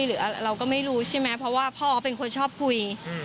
หรือเราก็ไม่รู้ใช่ไหมเพราะว่าพ่อเขาเป็นคนชอบคุย